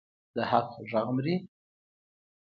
د حق غږ مري؟